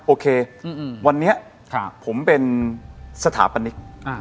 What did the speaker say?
โอเควันนี้ผมเป็นสถาปนิก